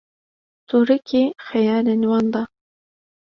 tûrikê xeyalên wan de